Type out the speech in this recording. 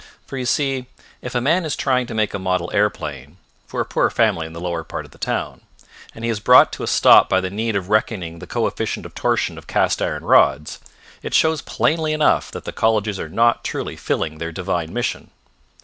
For you see, if a man is trying to make a model aeroplane for a poor family in the lower part of the town and he is brought to a stop by the need of reckoning the coefficient of torsion of cast iron rods, it shows plainly enough that the colleges are not truly filling their divine mission.